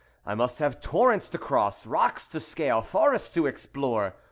I must have torrents to cross, rocks to scale, forests to explore.